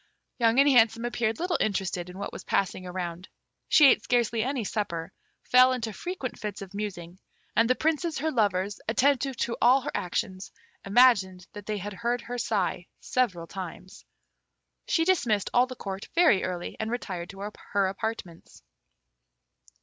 Young and Handsome appeared little interested in what was passing around. She ate scarcely any supper, fell into frequent fits of musing, and the princes, her lovers, attentive to all her actions, imagined that they heard her sigh several times. She dismissed all the Court very early, and retired to her apartments.